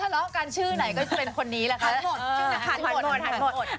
ถ้าหลอกการชื่อไหนก็เป็นคนนี้เราก็